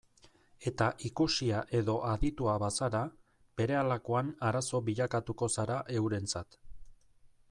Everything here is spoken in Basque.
Eta ikusia edo aditua bazara, berehalakoan arazo bilakatuko zara eurentzat.